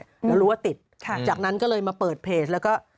แล้วรู้ว่าติดจากนั้นก็เลยมาเปิดเพจแล้วก็